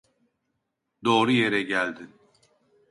Doğru yere geldin.